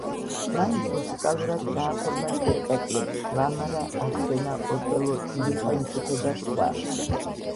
მან მუსიკალურად გააფორმა სპექტაკლები: „ლამარა“, „არსენა“, „ოტელო“, „დიდი ხელმწიფე“ და სხვა.